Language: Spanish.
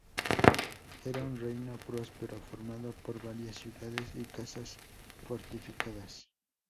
Era un reino próspero formado por varias ciudades y casas fortificadas.